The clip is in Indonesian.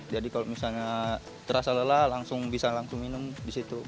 jadi kalau misalnya terasa lelah langsung bisa langsung minum di situ